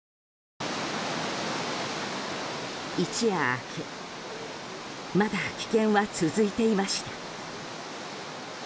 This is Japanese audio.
一夜明けまだ危険は続いていました。